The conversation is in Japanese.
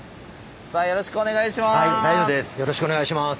さあよろしくお願いします。